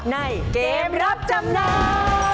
ในเกมรับจำนำ